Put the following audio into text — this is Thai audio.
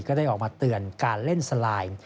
ก็ได้ออกมาเตือนการเล่นสไลน์